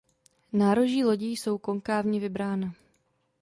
Nároží lodi jsou konkávně vybrána.